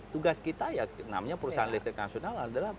tugas kita ya namanya perusahaan listrik nasional adalah